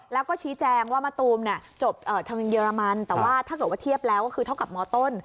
แล้วก็ชี้แจงว่ามะตูมเนี่ยจบทางวินเยอรมันแต่ว่าถ้าเกิดว่าเทียบแล้วก็คือเท่ากับมต้น